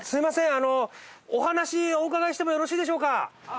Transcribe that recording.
あのお話お伺いしてもよろしいでしょうか？